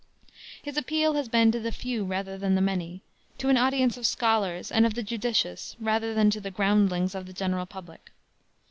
His appeal has been to the few rather than the many, to an audience of scholars and of the judicious rather than to the "groundlings" of the general public.